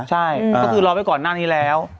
ใช่ก็คือรอไว้ก่อนหน้านี้แล้ว